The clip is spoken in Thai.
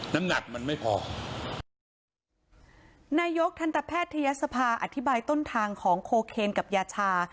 น้ำหนักมันไม่พอนายกทันตแพทยศภาอธิบายต้นทางของโคเคนกับยาชา